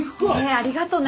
えありがとね。